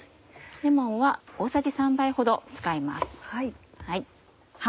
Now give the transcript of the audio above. レモンは大さじ３杯ほど使います。